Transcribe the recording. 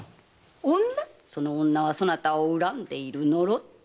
その女はそなたを恨んでいる呪っている。